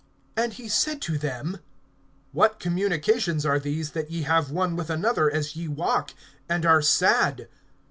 (17)And he said to them: What communications are these, that ye have one with another, as ye walk, and are sad?